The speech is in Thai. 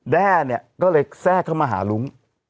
แด้เข้ามาหารุ้ม